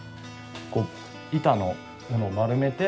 こう板のものを丸めて。